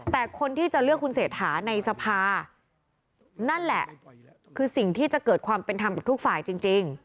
แต่คนที่จะเลือกคุณเศรษฐาในสภานั่นแหละคือสิ่งที่จะเกิดความเป็นธรรมกับทุกฝ่ายจริง